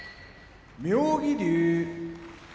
妙義龍